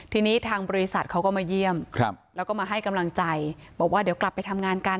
ทีนี้ทางบริษัทเขาก็มาเยี่ยมแล้วก็มาให้กำลังใจบอกว่าเดี๋ยวกลับไปทำงานกัน